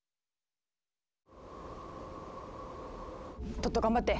トット頑張って。